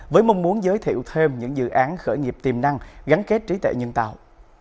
với mong muốn giới thiệu thêm những dự án khởi nghiệp tiềm năng gắn kết trí tuệ nhân tạo